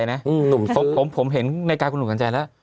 หรือในถึงเข้าลงไปไกล